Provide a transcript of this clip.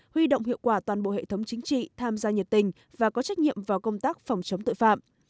huy động hiệu quả toàn bộ hệ thống chính trị tham gia nhiệt tình và có trách nhiệm vào công tác phòng chống tội phạm